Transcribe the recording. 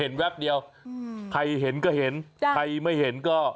แวบเดียวใครเห็นก็เห็นใครไม่เห็นก็